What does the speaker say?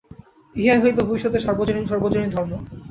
ইহাই হইবে ভবিষ্যতের সর্বজনীন ধর্ম।